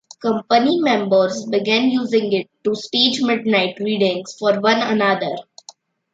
Company members began using it to stage "midnight" readings for one another.